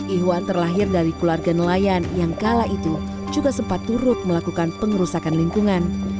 ihwan terlahir dari keluarga nelayan yang kala itu juga sempat turut melakukan pengerusakan lingkungan